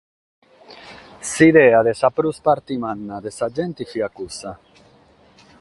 S’idea de sa prus parte manna de sa gente fiat cussa.